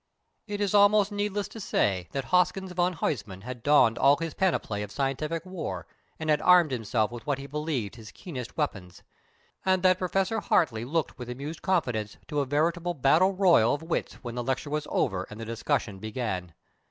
It is almost needless to say that Hoskins van Huysman had donned all his panoply of scientific war, and had armed himself with what he believed his keenest weapons; and that Professor Hartley looked with amused confidence to a veritable battle royal of wits when the lecture was over and the discussion began.